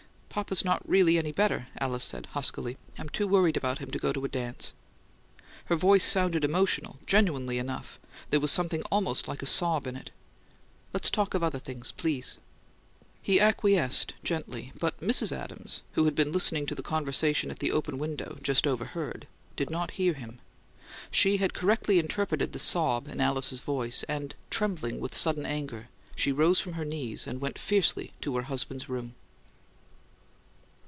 "Papa's not really any better," Alice said, huskily. "I'm too worried about him to go to a dance." Her voice sounded emotional, genuinely enough; there was something almost like a sob in it. "Let's talk of other things, please." He acquiesced gently; but Mrs. Adams, who had been listening to the conversation at the open window, just overhead, did not hear him. She had correctly interpreted the sob in Alice's voice, and, trembling with sudden anger, she rose from her knees, and went fiercely to her husband's room.